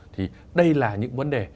thì đây là những vấn đề